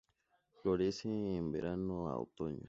Florecen en verano a otoño.